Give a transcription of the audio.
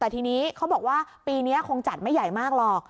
แต่ทีนี้เขาบอกว่าปีนี้คงจัดไม่ใหญ่มากหรอก